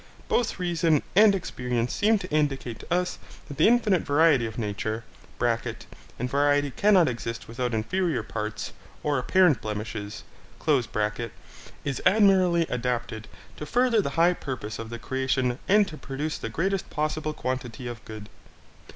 Both reason and experience seem to indicate to us that the infinite variety of nature (and variety cannot exist without inferior parts, or apparent blemishes) is admirably adapted to further the high purpose of the creation and to produce the greatest possible quantity of good.